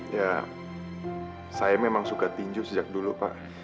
ya saya memang suka tinju sejak dulu pak